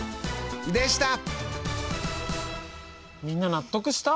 みんな納得した？